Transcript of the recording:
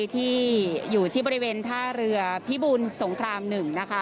ที่อยู่ที่บริเวณท่าเรือพิบูลสงคราม๑นะคะ